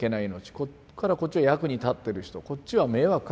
ここからこっちは役に立ってる人こっちは迷惑かけてる人。